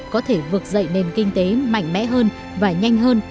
có thể vực dậy nền kinh tế mạnh mẽ hơn và nhanh hơn